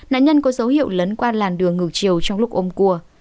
nạn nhân có dấu hiệu lấn qua làn đường ngược chiều trong lúc ôm cua